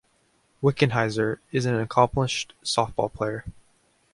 Wickenheiser is an accomplished softball player.